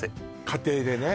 家庭でね